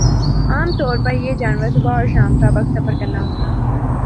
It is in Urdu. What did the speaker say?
عام طور پر یِہ جانور صبح اور شام کا وقت سفر کرنا ہونا